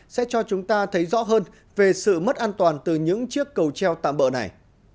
sẽ cho chúng ta thấy rõ hơn về sự mất an toàn từ những chiếc cầu treo tạm bờ này